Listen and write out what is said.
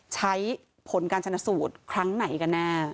ใช้ผลการชนสูตรครั้งไหนกันแน่